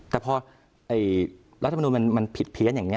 แต่พอรัฐมนุนมันผิดเพี้ยนอย่างนี้